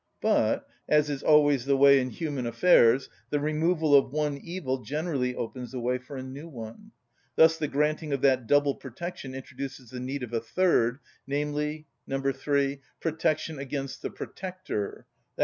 But, as is always the way in human affairs, the removal of one evil generally opens the way for a new one; thus the granting of that double protection introduces the need of a third, namely: (3.) Protection against the protector, _i.